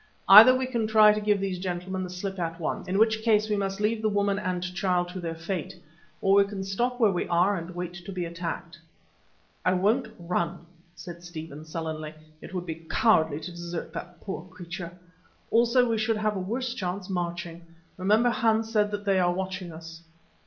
Either we can try to give these gentlemen the slip at once, in which case we must leave the woman and child to their fate, or we can stop where we are and wait to be attacked." "I won't run," said Stephen sullenly; "it would be cowardly to desert that poor creature. Also we should have a worse chance marching. Remember Hans said that they are watching us."